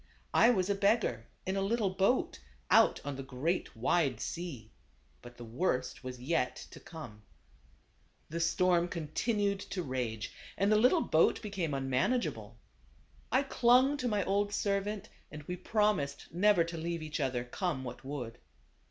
I was a beggar, in a little boat, out on the great, wide sea. But the worst was yet to come. The storm continued to rage, and the little boat became unmanageable. I clung to my old servant and we promised never to leave each other, come what would.